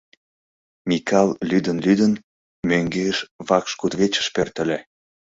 Микал, лӱдын-лӱдын, мӧҥгеш вакш кудывечыш пӧртыльӧ.